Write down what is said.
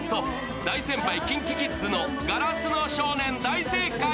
大先輩・ＫｉｎＫｉＫｉｄｓの「硝子の少年」大正解！